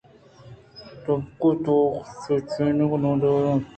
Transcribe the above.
تبک ءِ تہ ءَ چینچک نودربر اَنت؟